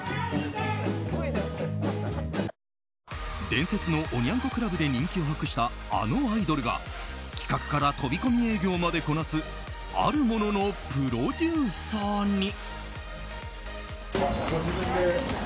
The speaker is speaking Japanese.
伝説のおニャン子クラブで人気を博した、あのアイドルが企画から飛び込み営業までこなすあるもののプロデューサーに。